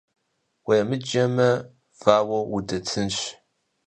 Уемыджэмэ, вауэу удэтынщ.